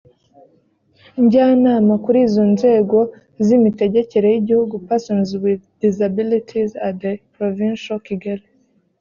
njyanama kuri izo nzego z imitegekere y igihugu persons with disabilities at the provincial kigali